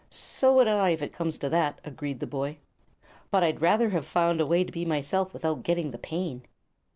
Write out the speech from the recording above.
"So would I, if it comes to that," agreed the boy. "But I'd rather have found a way to be myself without getting the pain."